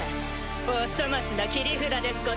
お粗末な切り札ですこと。